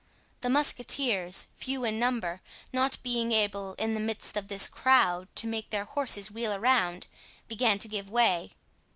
The musketeers, few in number, not being able, in the midst of this crowd, to make their horses wheel around, began to give way.